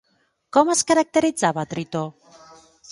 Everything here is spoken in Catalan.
Com es caracteritzava Tritó?